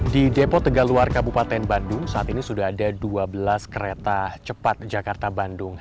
di depo tegaluar kabupaten bandung saat ini sudah ada dua belas kereta cepat jakarta bandung